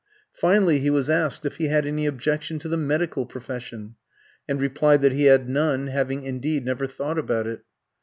Finally he was asked if he had any objection to the medical profession, and replied that he had none, having, indeed, never thought about it.